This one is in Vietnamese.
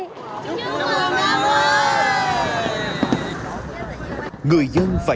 chúc mọi người năm mới